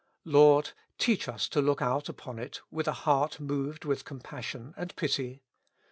Lord, teach us to look out upon it with a heart moved with compassion and pity.